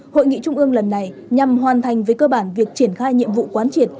hội nghị trung ương lần này nhằm hoàn thành với cơ bản việc triển khai nhiệm vụ quán triệt